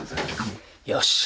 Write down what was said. よし。